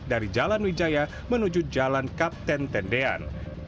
dari jalan wijaya menuju jalan kapten tendean